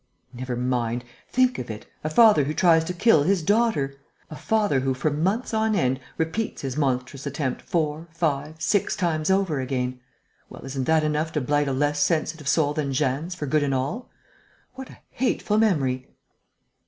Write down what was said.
"Never mind! Think of it: a father who tries to kill his daughter! A father who, for months on end, repeats his monstrous attempt four, five, six times over again!... Well, isn't that enough to blight a less sensitive soul than Jeanne's for good and all? What a hateful memory!"